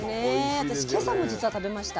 私今朝もじつは食べました。